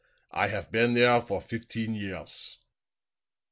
I haf been there for fifteen years."